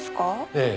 ええ。